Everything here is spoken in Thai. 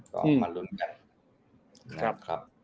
ก็มาลุ้นกัน